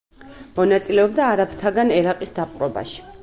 მონაწილეობდა არაბთაგან ერაყის დაპყრობაში.